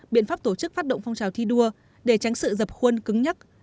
biện pháp tổ chức phát động phong trào thi đua để tránh sự dập khuân cứng nhất